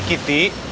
pak sri kiti